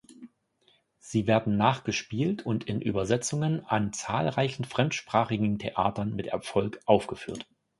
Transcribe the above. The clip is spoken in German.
Sie werden nachgespielt und in Übersetzungen an zahlreichen fremdsprachigen Theatern mit Erfolg aufgeführt.